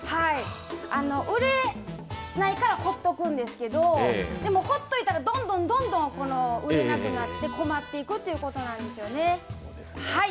売れないからほっとくんですけどでも、ほっといたらどんどん売れなくなって困っていくということなんですよね。